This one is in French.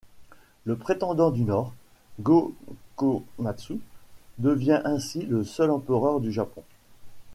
Le prétendant du Nord, Go-Komatsu, devient ainsi le seul empereur du Japon.